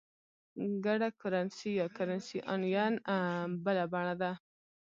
ګډه کرنسي یا Currency Union بله بڼه ده.